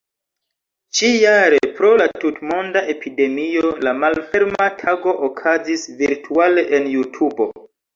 Ĉi-jare pro la tut-monda epidemio, la Malferma Tago okazis virtuale en Jutubo.